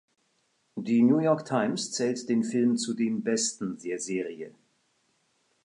Die New York Times zählt den Film zu den besten der Serie.